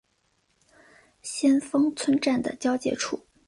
先锋村站的交界处。